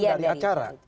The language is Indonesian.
bagian dari acara gitu